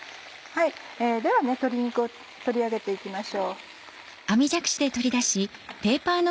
では鶏肉を取り上げて行きましょう。